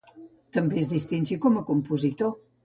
També es distingí com a compositor.